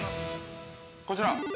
◆こちら。